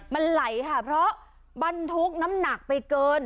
มันไหลค่ะเพราะบรรทุกน้ำหนักไปเกิน